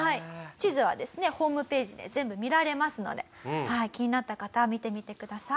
地図はですねホームページで全部見られますので気になった方は見てみてください。